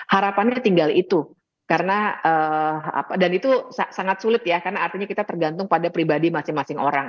harapannya tinggal itu karena dan itu sangat sulit ya karena artinya kita tergantung pada pribadi masing masing orang